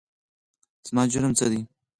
زما جرم څه دی ؟؟